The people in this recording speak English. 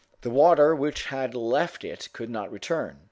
The water which had left it could not return.